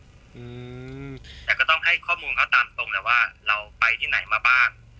อืมแต่ก็ต้องให้ข้อมูลเขาตามตรงแหละว่าเราไปที่ไหนมาบ้าง